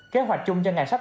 kế hoạch chung cho ngành sách